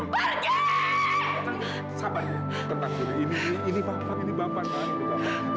cepetan sabar ya tentang ini ini bapak ini bapak ini bapak ini bapak ini bapak